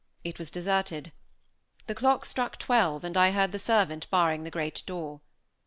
It was deserted. The clock struck twelve, and I heard the servant barring the great door.